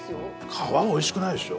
皮、おいしくないでしょ。